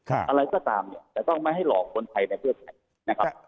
อะไรก็ตามเนี่ยจะต้องไม่ให้หลอกคนไทยในเพื่อไทยนะครับ